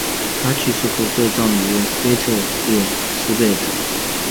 他去世后被葬于腓特烈斯贝的。